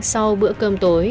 sau bữa cơm tối